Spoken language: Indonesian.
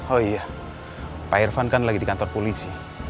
oh iya pak irvan kan lagi di kantor polisi